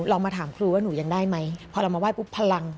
เรามาถามครูว่าหนูยังได้ไหมพอเรามาไห้ปุ๊บพลัง